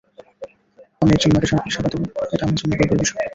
আমি একজন মাকে সার্বিক সেবা দেব, এটা আমরা জন্য গর্বের বিষয়।